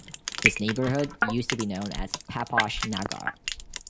This neighbourhood used to be known as Paposh Nagar.